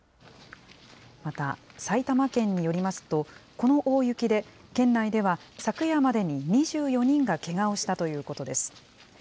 また、埼玉県によりますと、この大雪で県内では昨夜までに２４人がけがをしたということです。